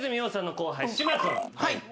はい。